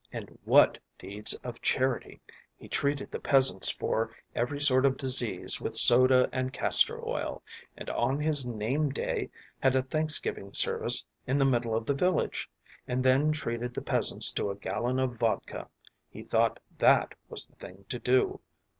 And what deeds of charity! He treated the peasants for every sort of disease with soda and castor oil, and on his name day had a thanksgiving service in the middle of the village, and then treated the peasants to a gallon of vodka he thought that was the thing to do.